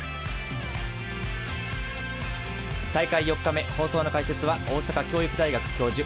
大会４日目、放送の解説は大阪教育大学教授